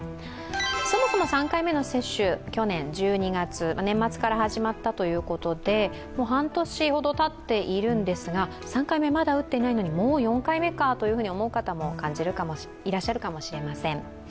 そもそも３回目の接種、去年１２月、年末から始まったということで、半年ほどたっているんですが、３回目まだ打っていないのに、もう４回目かと感じる方もいらっしゃるかもしれません。